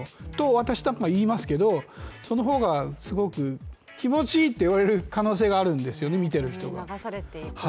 私なんかは言いますけどその方がすごく気持ちいいといわれる可能性があるんですよね、見てる人が。